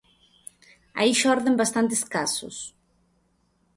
Aí xorden bastantes casos.